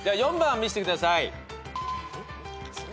４番見せてください。